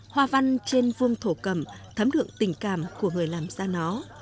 hoa văn trên vương thổ cầm thấm được tình cảm của người làm ra nó